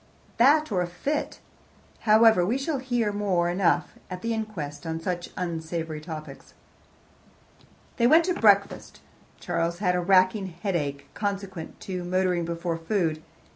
"That or a fit. However, we shall hear more than enough at the inquest on such unsavoury topics." They went into breakfast. Charles had a racking headache, consequent on motoring before food.